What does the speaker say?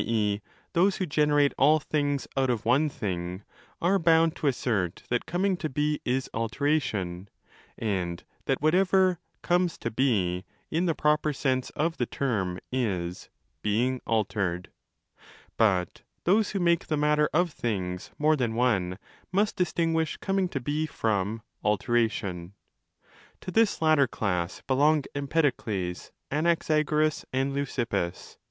e. those who generate all things out of one thing) are bound to assert that coming to be is 'alteration ', and that whatever 'comes 1 to be' in the proper sense of the term is 'being altered' but those who make the matter of things more than one must distinguish coming to be from 'alteration'. To this latter class belong Empedokles, Anaxagoras, and Leukippos.